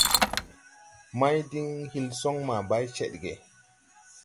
Mày diŋ hil son maa bay ced ge.